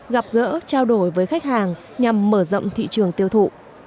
gặp gỡ trao đổi với khách hàng nhằm mở rộng thị trường tiêu thụ